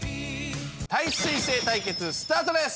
耐水性対決スタートです！